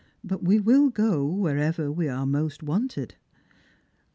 But tve will go wher ever we are most wanted."